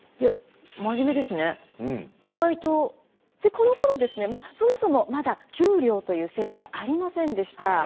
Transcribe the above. このころですねそもそもまだ給料という制度がありませんでした。